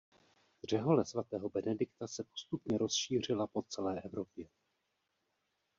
Řehole svatého Benedikta se postupně rozšířila po celé Evropě.